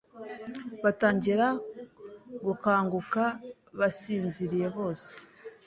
Batangira gukanguka basinziriyebose